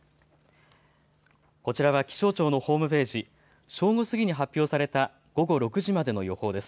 こちらは気象庁のホームページ、正午過ぎに発表された午後６時までの予報です。